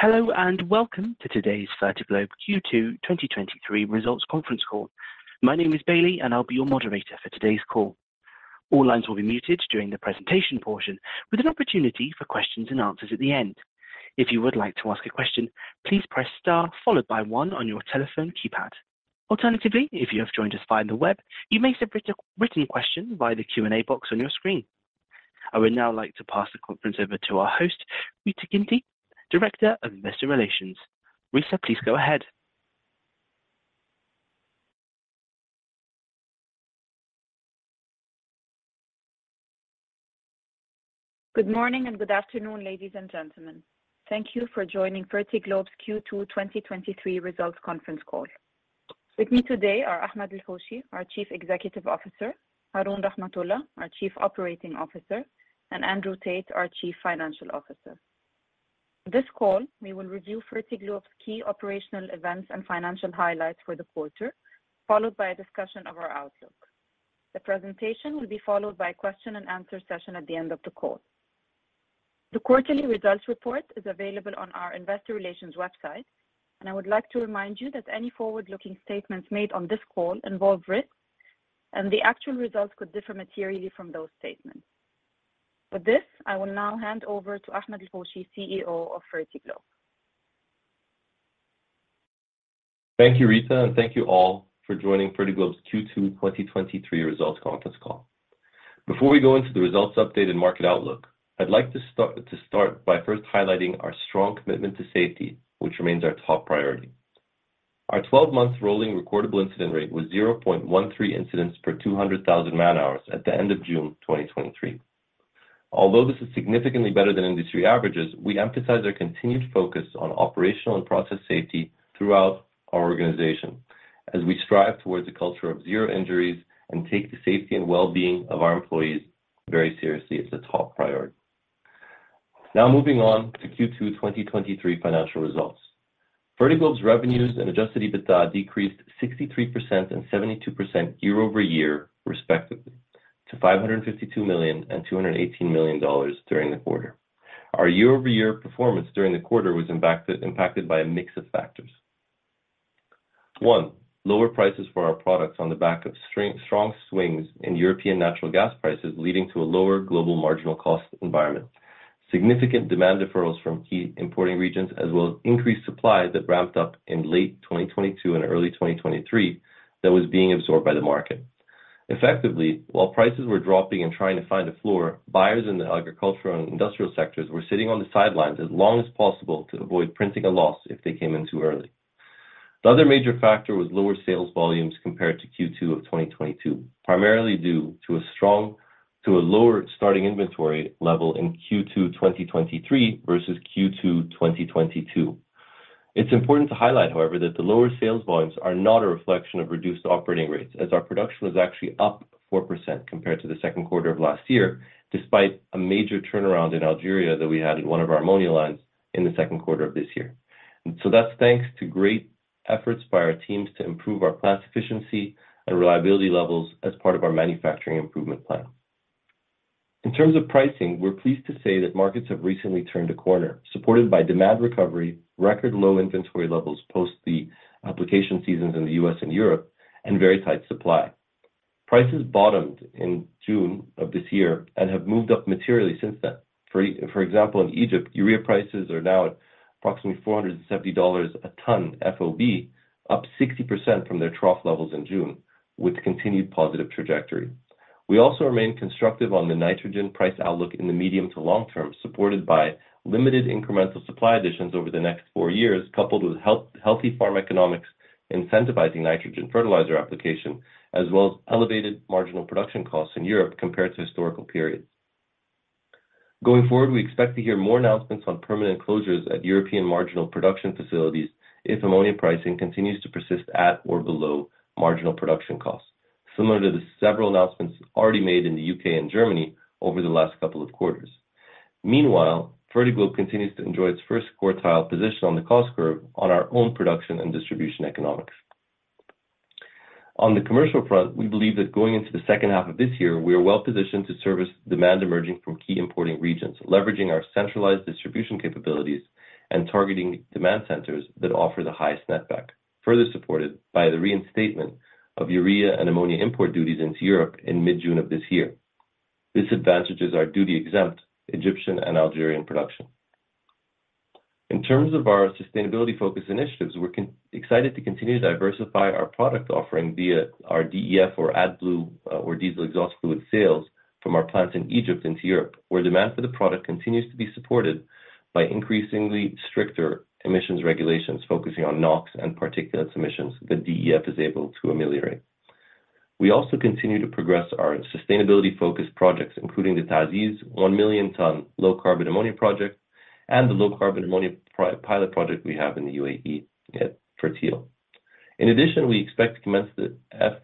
Hello, welcome to today's Fertiglobe Q2 2023 Results Conference Call. My name is Bailey, I'll be your moderator for today's call. All lines will be muted during the presentation portion, with an opportunity for questions and answers at the end. If you would like to ask a question, please press Star followed by one on your telephone keypad. Alternatively, if you have joined us via the web, you may submit a written question via the Q&A box on your screen. I would now like to pass the conference over to our host, Rita Guindy, Director of Investor Relations. Rita, please go ahead. Good morning and good afternoon, ladies and gentlemen. Thank you for joining Fertiglobe's Q2 2023 Results Conference Call. With me today are Ahmed El-Hoshy, our Chief Executive Officer, Haroon Rahmatullah, our Chief Operating Officer, and Andrew Stuart, our Chief Financial Officer. This call, we will review Fertiglobe's key operational events and financial highlights for the quarter, followed by a discussion of our outlook. The presentation will be followed by a question and answer session at the end of the call. The quarterly results report is available on our investor relations website, and I would like to remind you that any forward-looking statements made on this call involve risks, and the actual results could differ materially from those statements. With this, I will now hand over to Ahmed El-Hoshy, CEO of Fertiglobe. Thank you, Rita, and thank you all for joining Fertiglobe's Q2 2023 Results Conference Call. Before we go into the results update and market outlook, I'd like to start by first highlighting our strong commitment to safety, which remains our top priority. Our 12-month rolling recordable incident rate was 0.13 incidents per 200,000 man-hours at the end of June 2023. Although this is significantly better than industry averages, we emphasize our continued focus on operational and process safety throughout our organization as we strive towards a culture of zero injuries and take the safety and wellbeing of our employees very seriously as a top priority. Now moving on to Q2 2023 financial results. Fertiglobe's revenues and adjusted EBITDA decreased 63% and 72% year-over-year, respectively, to $552 million and $218 million during the quarter. Our year-over-year performance during the quarter was impacted by a mix of factors. One, lower prices for our products on the back of strong swings in European natural gas prices, leading to a lower global marginal cost environment. Significant demand deferrals from key importing regions, as well as increased supply that ramped up in late 2022 and early 2023, that was being absorbed by the market. Effectively, while prices were dropping and trying to find a floor, buyers in the agricultural and industrial sectors were sitting on the sidelines as long as possible to avoid printing a loss if they came in too early. The other major factor was lower sales volumes compared to Q2 of 2022, primarily due to a lower starting inventory level in Q2 2023 versus Q2 2022. It's important to highlight, however, that the lower sales volumes are not a reflection of reduced operating rates, as our production was actually up 4% compared to the second quarter of last year, despite a major turnaround in Algeria that we had in one of our ammonia lines in the second quarter of this year. So that's thanks to great efforts by our teams to improve our plant efficiency and reliability levels as part of our manufacturing improvement plan. In terms of pricing, we're pleased to say that markets have recently turned a corner, supported by demand recovery, record low inventory levels post the application seasons in the U.S. and Europe, and very tight supply. Prices bottomed in June of this year and have moved up materially since then. For example, in Egypt, urea prices are now at approximately $470 a ton FOB, up 60% from their trough levels in June, with continued positive trajectory. We also remain constructive on the nitrogen price outlook in the medium to long term, supported by limited incremental supply additions over the next 4 years, coupled with healthy farm economics, incentivizing nitrogen fertilizer application, as well as elevated marginal production costs in Europe compared to historical periods. Going forward, we expect to hear more announcements on permanent closures at European marginal production facilities if ammonia pricing continues to persist at or below marginal production costs, similar to the several announcements already made in the UK and Germany over the last couple of quarters. Meanwhile, Fertiglobe continues to enjoy its first quartile position on the cost curve on our own production and distribution economics. On the commercial front, we believe that going into the second half of this year, we are well positioned to service demand emerging from key importing regions, leveraging our centralized distribution capabilities and targeting demand centers that offer the highest netback, further supported by the reinstatement of urea and ammonia import duties into Europe in mid-June of this year. This advantages our duty-exempt Egyptian and Algerian production. In terms of our sustainability-focused initiatives, we're excited to continue to diversify our product offering via our DEF or AdBlue, or diesel exhaust fluid sales from our plants in Egypt into Europe, where demand for the product continues to be supported by increasingly stricter emissions regulations, focusing on NOx and particulate emissions that DEF is able to ameliorate. We also continue to progress our sustainability-focused projects, including the TA'ZIZ 1 million ton low-carbon ammonia project and the low-carbon ammonia pilot project we have in the UAE at Fertil. In addition, we expect to commence the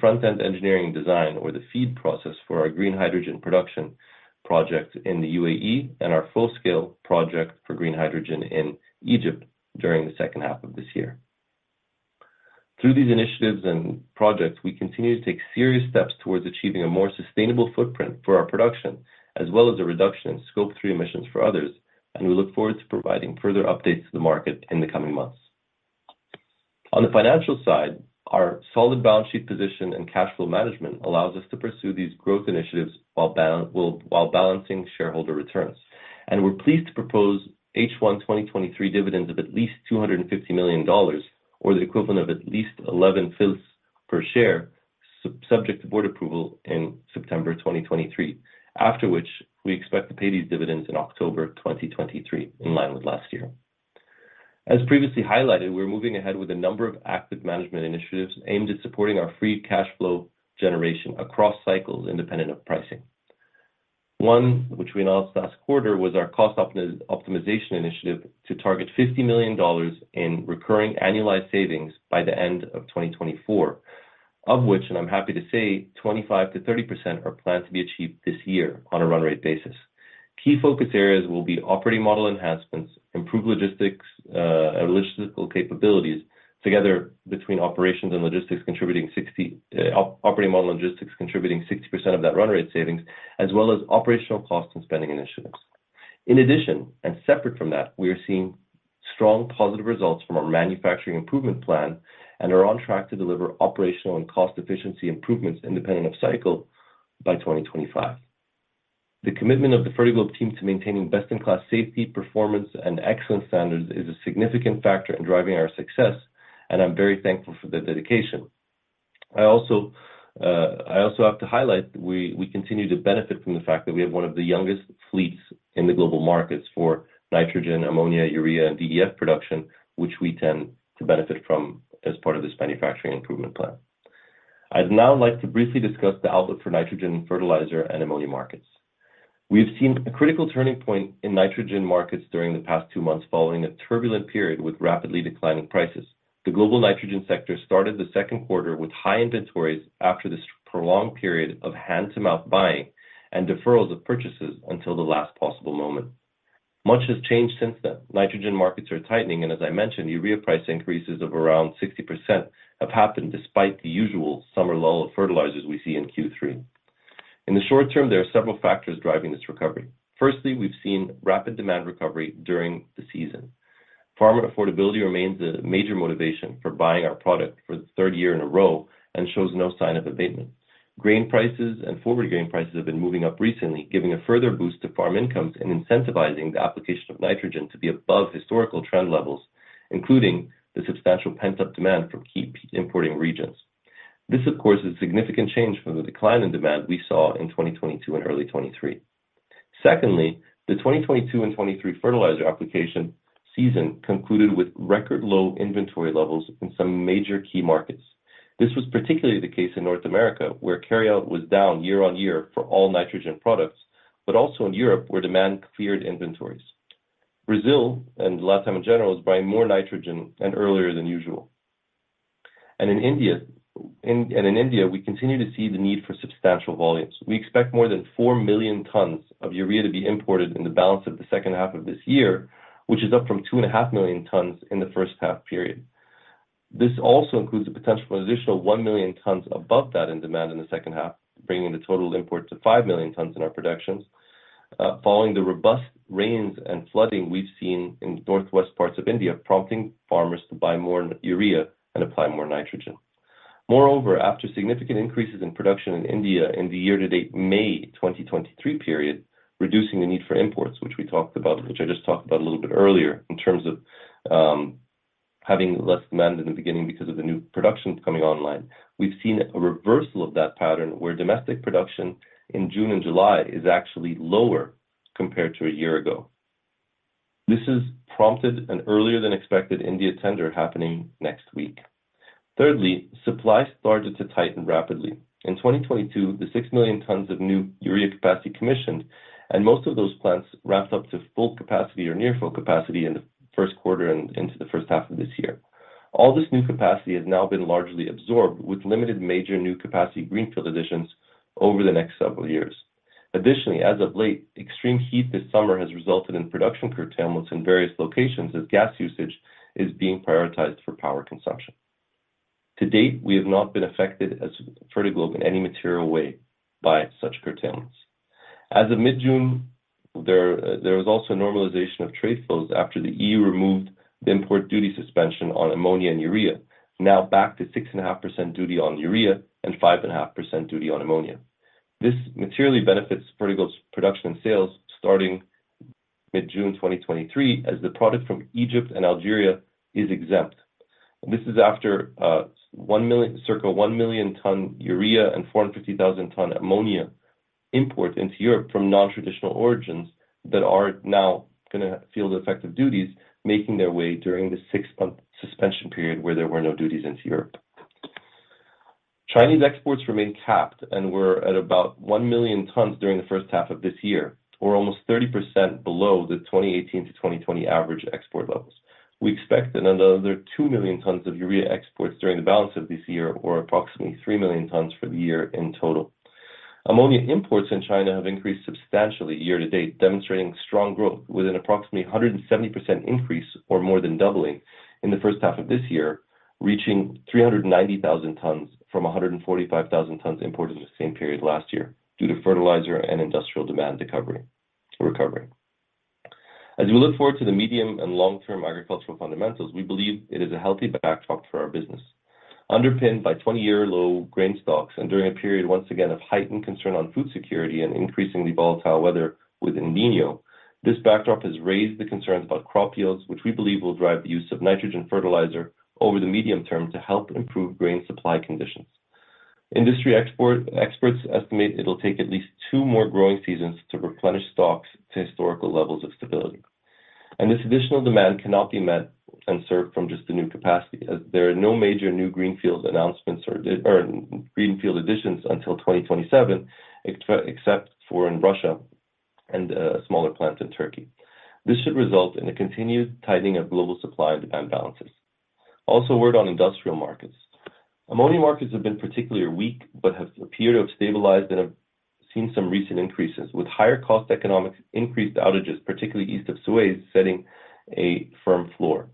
front-end engineering design or the FEED process for our green hydrogen production project in the UAE and our full-scale project for green hydrogen in Egypt during the second half of this year. Through these initiatives and projects, we continue to take serious steps towards achieving a more sustainable footprint for our production, as well as a reduction in Scope 3 emissions for others. We look forward to providing further updates to the market in the coming months. On the financial side, our solid balance sheet position and cash flow management allows us to pursue these growth initiatives while balancing shareholder returns. We're pleased to propose H1-2023 dividends of at least $250 million, or the equivalent of at least 11 fils per share, subject to board approval in September 2023. After which, we expect to pay these dividends in October 2023, in line with last year. As previously highlighted, we're moving ahead with a number of active management initiatives aimed at supporting our free cash flow generation across cycles, independent of pricing. One, which we announced last quarter, was our cost optimization initiative to target $50 million in recurring annualized savings by the end of 2024. Of which, and I'm happy to say, 25%-30% are planned to be achieved this year on a run rate basis. Key focus areas will be operating model enhancements, improved logistics, logistical capabilities together between operations and logistics, contributing 60... operating model logistics, contributing 60% of that run rate savings, as well as operational costs and spending initiatives. In addition, and separate from that, we are seeing strong positive results from our manufacturing improvement plan and are on track to deliver operational and cost efficiency improvements independent of cycle by 2025. The commitment of the Fertiglobe team to maintaining best-in-class safety, performance, and excellence standards is a significant factor in driving our success, and I'm very thankful for their dedication. I also, I also have to highlight, we, we continue to benefit from the fact that we have one of the youngest fleets in the global markets for nitrogen, ammonia, urea, and DEF production, which we tend to benefit from as part of this manufacturing improvement plan. I'd now like to briefly discuss the outlook for nitrogen, fertilizer, and ammonia markets. We've seen a critical turning point in nitrogen markets during the past two months, following a turbulent period with rapidly declining prices. The global nitrogen sector started the second quarter with high inventories after this prolonged period of hand-to-mouth buying and deferrals of purchases until the last possible moment. Much has changed since then. Nitrogen markets are tightening, and as I mentioned, urea price increases of around 60% have happened despite the usual summer lull of fertilizers we see in Q3. In the short term, there are several factors driving this recovery. Firstly, we've seen rapid demand recovery during the season. Farmer affordability remains a major motivation for buying our product for the third year in a row and shows no sign of abatement. Grain prices and forward grain prices have been moving up recently, giving a further boost to farm incomes and incentivizing the application of nitrogen to be above historical trend levels, including the substantial pent-up demand from key importing regions. This, of course, is a significant change from the decline in demand we saw in 2022 and early 2023. Secondly, the 2022 and 2023 fertilizer application season concluded with record low inventory levels in some major key markets. This was particularly the case in North America, where carry out was down year on year for all nitrogen products, but also in Europe, where demand cleared inventories. Brazil, and Latin America in general, is buying more nitrogen and earlier than usual. In India, we continue to see the need for substantial volumes. We expect more than 4 million tons of urea to be imported in the balance of the second half of this year, which is up from 2.5 million tons in the first half period. This also includes a potential additional 1 million tons above that in demand in the second half, bringing the total import to 5 million tons in our productions. Following the robust rains and flooding we've seen in northwest parts of India, prompting farmers to buy more urea and apply more nitrogen. Moreover, after significant increases in production in India in the year-to-date May 2023 period, reducing the need for imports, which we talked about, which I just talked about a little bit earlier, in terms of, having less demand in the beginning because of the new productions coming online. We've seen a reversal of that pattern, where domestic production in June and July is actually lower compared to a year ago. This has prompted an earlier-than-expected India tender happening next week. Thirdly, supply started to tighten rapidly. In 2022, the 6 million tons of new urea capacity commissioned, and most of those plants wrapped up to full capacity or near full capacity in the 1st quarter and into the H1 of this year. All this new capacity has now been largely absorbed, with limited major new capacity greenfield additions over the next several years. Additionally, as of late, extreme heat this summer has resulted in production curtailments in various locations as gas usage is being prioritized for power consumption. To date, we have not been affected as Fertiglobe in any material way by such curtailments. As of mid-June, there was also a normalization of trade flows after the EU removed the import duty suspension on ammonia and urea. Back to 6.5% duty on urea and 5.5% duty on ammonia. This materially benefits Fertiglobe's production and sales starting mid-June 2023, as the product from Egypt and Algeria is exempt. This is after circa 1 million ton urea and 450,000 ton ammonia import into Europe from non-traditional origins that are now gonna feel the effect of duties making their way during the 6-month suspension period where there were no duties into Europe. Chinese exports remain capped and were at about 1 million tons during H1 2023, or almost 30% below the 2018-2020 average export levels. We expect another 2 million tons of urea exports during the balance of this year, or approximately 3 million tons for the year in total. Ammonia imports in China have increased substantially year-to-date, demonstrating strong growth with an approximately 170% increase or more than doubling in the first half of this year, reaching 390,000 tons from 145,000 tons imported in the same period last year due to fertilizer and industrial demand recovery. As we look forward to the medium- and long-term agricultural fundamentals, we believe it is a healthy backdrop for our business. Underpinned by 20-year low grain stocks and during a period, once again, of heightened concern on food security and increasingly volatile weather with El Niño. This backdrop has raised the concerns about crop yields, which we believe will drive the use of nitrogen fertilizer over the medium term to help improve grain supply conditions. Industry experts estimate it will take at least two more growing seasons to replenish stocks to historical levels of stability. This additional demand cannot be met and served from just the new capacity, as there are no major new greenfields announcements or greenfield additions until 2027, except for in Russia and a smaller plant in Turkey. This should result in a continued tightening of global supply and demand balances. Also, word on industrial markets. Ammonia markets have been particularly weak, but have appeared to have stabilized and have seen some recent increases, with higher cost economics, increased outages, particularly east of Suez, setting a firm floor.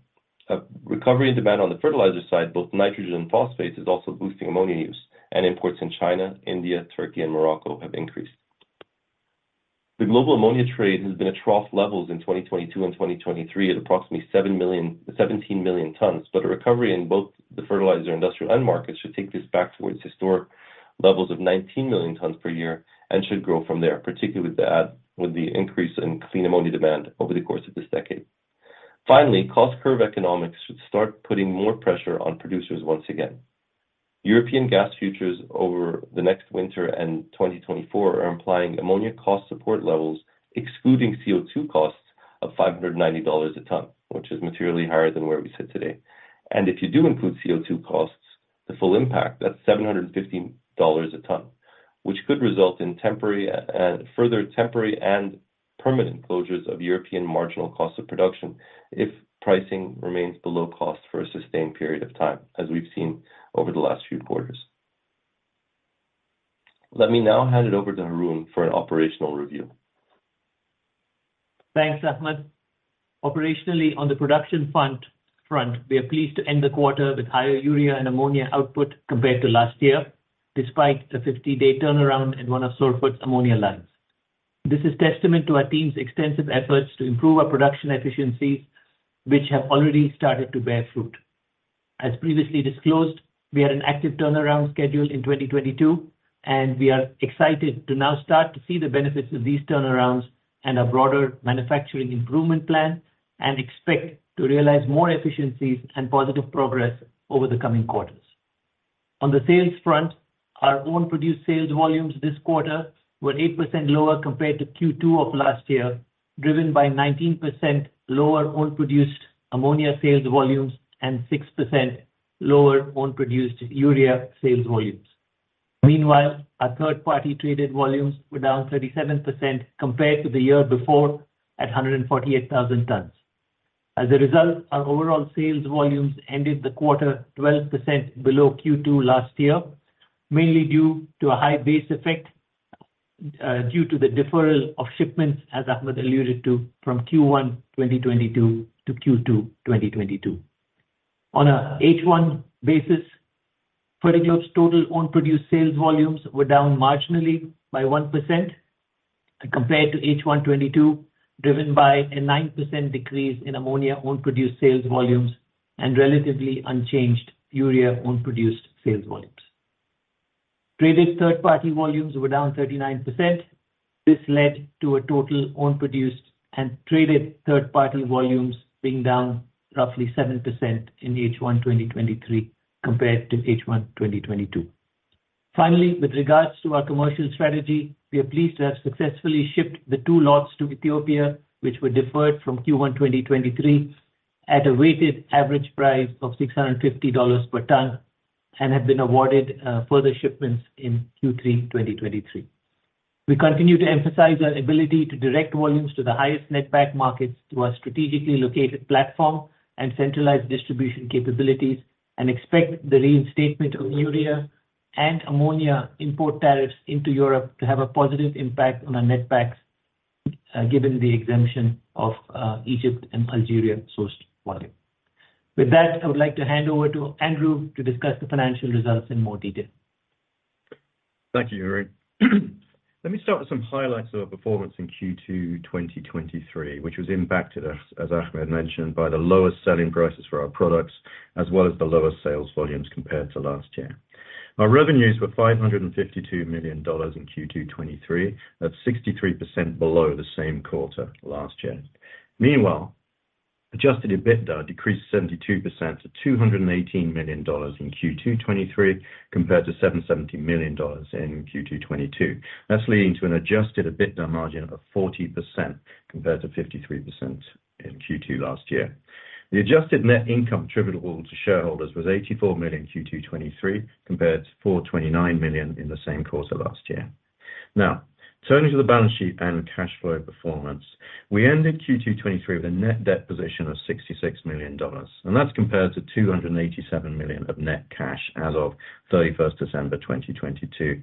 A recovery in demand on the fertilizer side, both nitrogen and phosphate, is also boosting ammonia use, imports in China, India, Turkey, and Morocco have increased. The global ammonia trade has been at trough levels in 2022 and 2023 at approximately 17 million tons, but a recovery in both the fertilizer industrial end markets should take this back towards historic levels of 19 million tons per year and should grow from there, particularly with the increase in clean ammonia demand over the course of this decade. Finally, cost curve economics should start putting more pressure on producers once again. European gas futures over the next winter and 2024 are implying ammonia cost support levels, excluding CO₂ costs, of $590 a ton, which is materially higher than where we sit today. If you do include CO₂ costs, the full impact, that's $715 a ton, which could result in temporary, further temporary and permanent closures of European marginal cost of production if pricing remains below cost for a sustained period of time, as we've seen over the last few quarters. Let me now hand it over to Haroon for an operational review. Thanks, Ahmed. Operationally, on the production front, we are pleased to end the quarter with higher urea and ammonia output compared to last year, despite the 50-day turnaround in one of Sorfert's ammonia lines. This is testament to our team's extensive efforts to improve our production efficiencies, which have already started to bear fruit. As previously disclosed, we had an active turnaround schedule in 2022, and we are excited to now start to see the benefits of these turnarounds and our broader manufacturing improvement plan, and expect to realize more efficiencies and positive progress over the coming quarters. On the sales front, our own produced sales volumes this quarter were 8% lower compared to Q2 of last year, driven by 19% lower own-produced ammonia sales volumes and 6% lower own-produced urea sales volumes. Meanwhile, our third-party traded volumes were down 37% compared to the year before, at 148,000 tons. As a result, our overall sales volumes ended the quarter 12% below Q2 last year, mainly due to a high base effect, due to the deferral of shipments, as Ahmed alluded to, from Q1 2022 to Q2 2022. On a H1 basis, Fertiglobe's total own-produced sales volumes were down marginally by 1% compared to H1 2022, driven by a 9% decrease in ammonia own-produced sales volumes and relatively unchanged urea own-produced sales volumes. Traded third-party volumes were down 39%. This led to a total own-produced and traded third-party volumes being down roughly 7% in H1 2023, compared to H1 2022. Finally, with regards to our commercial strategy, we are pleased to have successfully shipped the two lots to Ethiopia, which were deferred from Q1 2023, at a weighted average price of $650 per ton and have been awarded further shipments in Q3 2023. We continue to emphasize our ability to direct volumes to the highest netback markets through our strategically located platform and centralized distribution capabilities, and expect the reinstatement of urea and ammonia import tariffs into Europe to have a positive impact on our netbacks, given the exemption of Egypt and Algeria-sourced volume. With that, I would like to hand over to Andrew to discuss the financial results in more detail. Thank you, Haroon. Let me start with some highlights of our performance in Q2 2023, which was impacted, as Ahmed mentioned, by the lower selling prices for our products, as well as the lower sales volumes compared to last year. Our revenues were $552 million in Q2 2023. That's 63% below the same quarter last year. Meanwhile, adjusted EBITDA decreased 72% to $218 million in Q2 2023, compared to $770 million in Q2 2022. That's leading to an adjusted EBITDA margin of 40%, compared to 53% in Q2 last year. The adjusted net income attributable to shareholders was $84 million in Q2 2023, compared to $429 million in the same quarter last year.... Turning to the balance sheet and cash flow performance. We ended Q2 2023 with a net debt position of $66 million, and that's compared to $287 million of net cash as of 31st December 2022.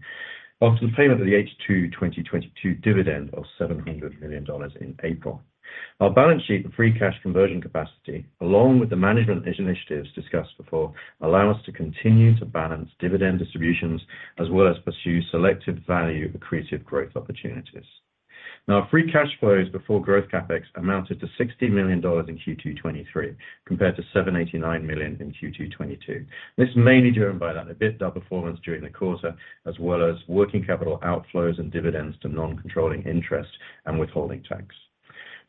After the payment of the H2 2022 dividend of $700 million in April. Our balance sheet and free cash conversion capacity, along with the management initiatives discussed before, allow us to continue to balance dividend distributions as well as pursue selected value accretive growth opportunities. Now, our free cash flows before growth CapEx amounted to $60 million in Q2 2023, compared to $789 million in Q2 2022. This is mainly driven by that EBITDA performance during the quarter, as well as working capital outflows and dividends to non-controlling interest and withholding tax.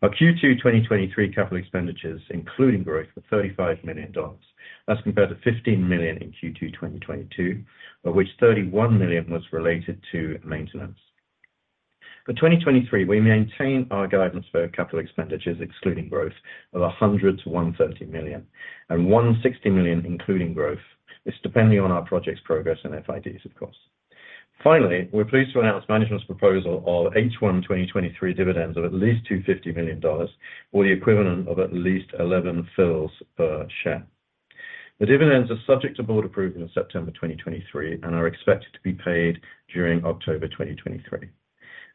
Our Q2 2023 capital expenditures, including growth, were $35 million. That's compared to $15 million in Q2 2022, of which $31 million was related to maintenance. For 2023, we maintain our guidance for capital expenditures, excluding growth, of $100 million-$130 million, and $160 million, including growth. This is depending on our projects progress and FIDs, of course. We're pleased to announce management's proposal of H1 2023 dividends of at least $250 million, or the equivalent of at least 11 fils per share. The dividends are subject to board approval in September 2023 and are expected to be paid during October 2023.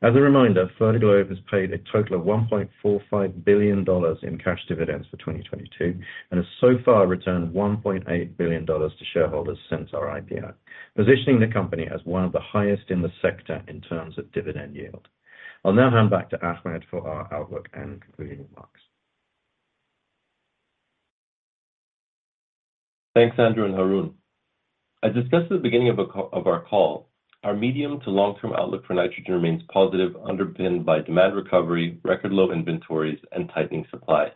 As a reminder, Fertiglobe has paid a total of $1.45 billion in cash dividends for 2022, and has so far returned $1.8 billion to shareholders since our IPO, positioning the company as one of the highest in the sector in terms of dividend yield. I'll now hand back to Ahmed for our outlook and concluding remarks. Thanks, Andrew and Haroon. As discussed at the beginning of our call, our medium to long-term outlook for nitrogen remains positive, underpinned by demand recovery, record low inventories, and tightening supply.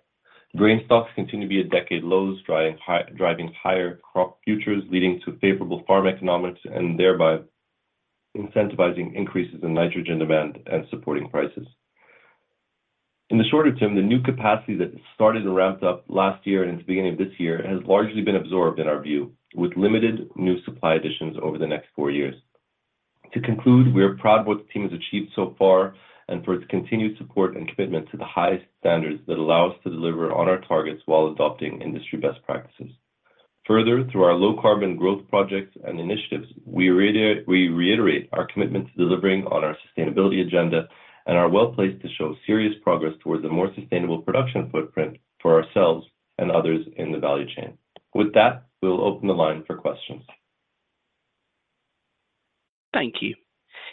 Grain stocks continue to be at decade lows, driving higher crop futures, leading to favorable farm economics, and thereby incentivizing increases in nitrogen demand and supporting prices. In the shorter term, the new capacity that started and ramped up last year and into the beginning of this year, has largely been absorbed in our view, with limited new supply additions over the next 4 years. To conclude, we are proud of what the team has achieved so far and for its continued support and commitment to the highest standards that allow us to deliver on our targets while adopting industry best practices. Further, through our low carbon growth projects and initiatives, we reiterate our commitment to delivering on our sustainability agenda and are well-placed to show serious progress towards a more sustainable production footprint for ourselves and others in the value chain. With that, we'll open the line for questions. Thank you.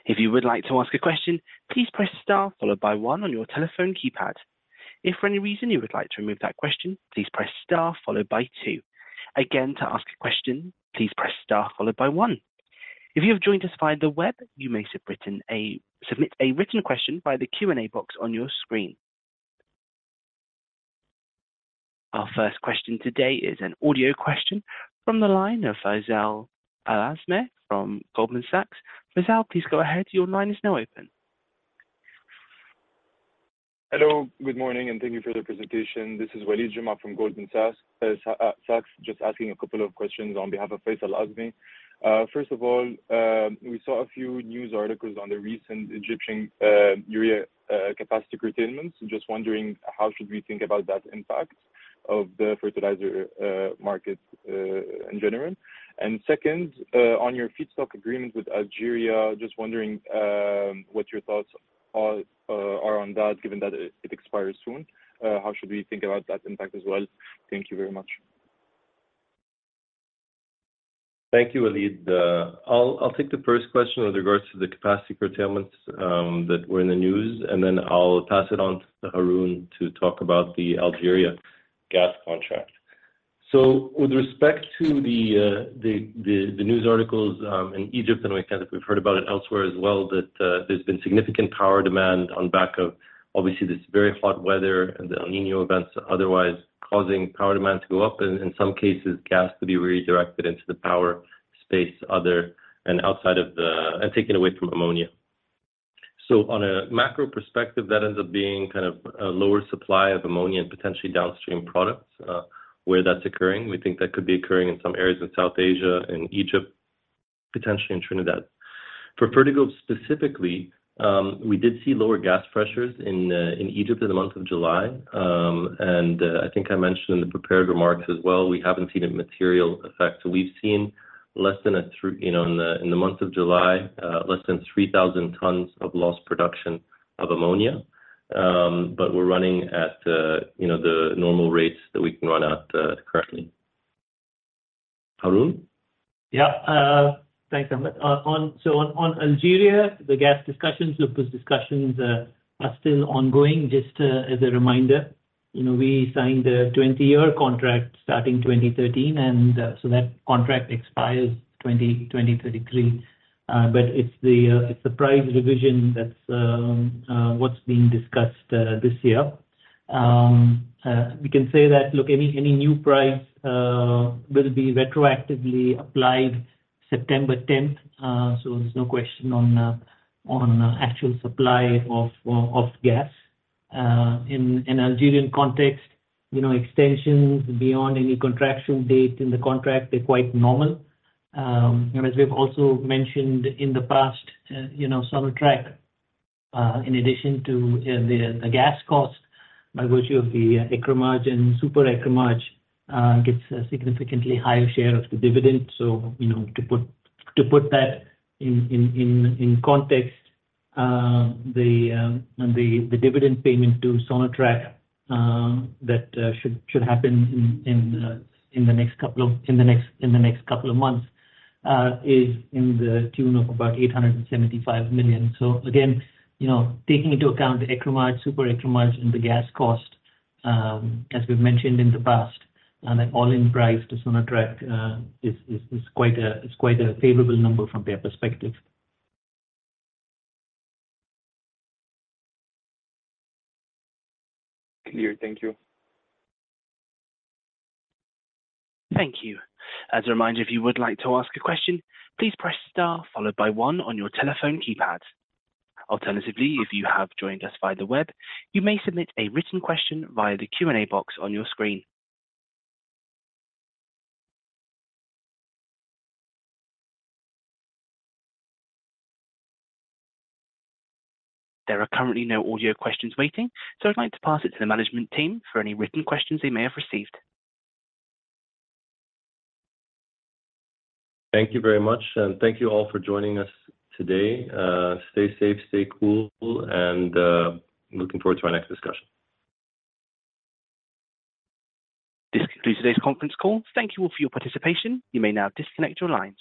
If you would like to ask a question, please press star followed by one on your telephone keypad. If for any reason you would like to remove that question, please press star followed by two. Again, to ask a question, please press star followed by one. If you have joined us via the web, you may have written submit a written question via the Q&A box on your screen. Our first question today is an audio question from the line of Faisal Al-Azmeh from Goldman Sachs. Faisal, please go ahead. Your line is now open. Hello, good morning, and thank you for the presentation. This is Walid Juma from Goldman Sachs, just asking a couple of questions on behalf of Faisal Al-Azmeh. First of all, we saw a few news articles on the recent Egyptian urea capacity curtailments. Just wondering, how should we think about that impact of the fertilizer market in general? Second, on your feedstock agreement with Algeria, just wondering, what your thoughts are on that, given that it expires soon. How should we think about that impact as well? Thank you very much. Thank you, Walid. I'll take the first question with regards to the capacity curtailments that were in the news, and then I'll pass it on to Haroon to talk about the Algeria gas contract. With respect to the the the the news articles in Egypt, and we've kind of we've heard about it elsewhere as well, that there's been significant power demand on back of obviously this very hot weather and the El Niño events, otherwise causing power demand to go up, and in some cases, gas to be redirected into the power space, other and outside of the... and taken away from ammonia. On a macro perspective, that ends up being kind of a lower supply of ammonia and potentially downstream products where that's occurring. We think that could be occurring in some areas in South Asia and Egypt, potentially in Trinidad. For Fertiglobe specifically, we did see lower gas pressures in Egypt in the month of July. I think I mentioned in the prepared remarks as well, we haven't seen a material effect. We've seen less than a three, you know, in the month of July, less than 3,000 tons of lost production of ammonia. We're running at, you know, the normal rates that we can run at currently. Harun? Thanks, Ahmed. On, on Algeria, the gas discussions, look, those discussions are still ongoing. Just as a reminder, you know, we signed a 20-year contract starting 2013, and so that contract expires 2033. It's the, it's the price revision that's what's being discussed this year. We can say that, look, any, any new price will be retroactively applied September 10th, so there's no question on actual supply of gas. In, in Algerian context, you know, extensions beyond any contraction date in the contract are quite normal. As we've also mentioned in the past, you know, Sonatrach, in addition to the gas cost, by virtue of the scrip and enhanced scrip, gets a significantly higher share of the dividend. You know, to put that in context, the dividend payment to Sonatrach that should happen in the next couple of months is in the tune of about $875 million. Again, you know, taking into account the scrip, enhanced scrip, and the gas cost, as we've mentioned in the past, the all-in price to Sonatrach is quite a favorable number from their perspective. Clear. Thank you. Thank you. As a reminder, if you would like to ask a question, please press star, followed by one on your telephone keypad. Alternatively, if you have joined us via the web, you may submit a written question via the Q&A box on your screen. There are currently no audio questions waiting, so I'd like to pass it to the management team for any written questions they may have received. Thank you very much, and thank you all for joining us today. Stay safe, stay cool, and, looking forward to our next discussion. This concludes today's conference call. Thank you all for your participation. You may now disconnect your lines.